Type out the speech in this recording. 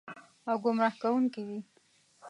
او ګمراه کوونکې وي.